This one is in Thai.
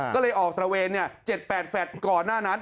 ก็เลยออกตระเวน๗๘แฟลต์ก่อนหน้านั้น